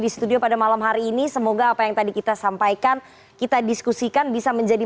di studio pada malam hari ini semoga apa yang tadi kita sampaikan kita diskusikan bisa menjadi